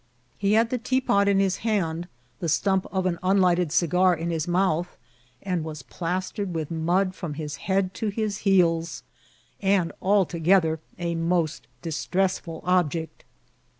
He had the tec^ot in his hand, the stomp of an nnlighted cigar in his mouth, was plastered with mud frcnn his head to his heels, and altogether a most distressfnl object.